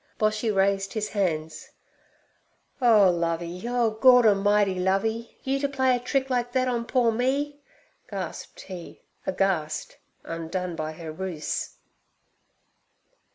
Boshy raised his hands. 'Oh, Lovey! O Gord A'mighty, Lovey! You to play a trick like thet on poor me!' gasped he, aghast, undone by her ruse.